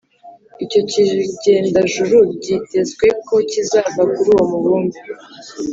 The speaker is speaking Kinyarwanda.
Icyo kigendajuru byitezwe ko kizava kuri uwo mubumbe